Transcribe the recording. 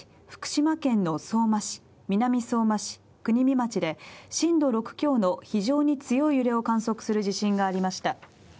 福島県の相馬市、南相馬市、国見町で震度６強の非常に強い揺れを観測する地震がありました。